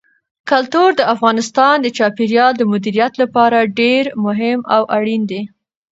کلتور د افغانستان د چاپیریال د مدیریت لپاره ډېر مهم او اړین دي.